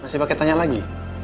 masih pake tanya lagi